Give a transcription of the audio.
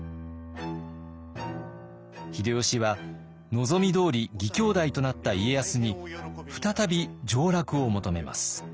秀吉は望みどおり義兄弟となった家康に再び上洛を求めます。